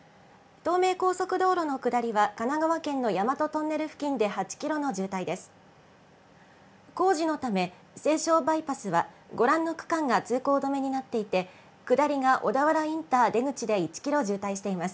東名高速道路の下りは神奈川県の大和トンネル付近で８キロの渋滞です。